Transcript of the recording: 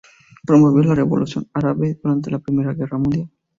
Promovió la revolución árabe durante la Primera Guerra Mundial.